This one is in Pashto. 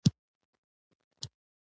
جانداد د ښکلي شخصیت خاوند دی.